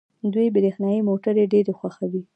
دوی برښنايي موټرې ډېرې خوښوي.